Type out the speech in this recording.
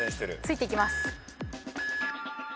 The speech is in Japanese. ついていきます。